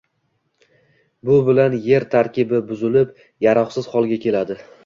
Bu bilan er tarkibi buzilib, yaroqsiz holga keladi